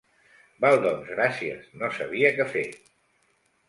Val doncs gràcies, no sabia que fer.